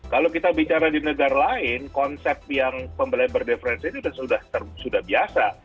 kalau kita bicara di negara lain konsep yang pembelai berdiferensi itu sudah biasa